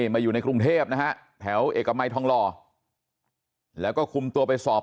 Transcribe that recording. มาอยู่ในกรุงเทพนะฮะแถวเอกมัยทองหล่อแล้วก็คุมตัวไปสอบ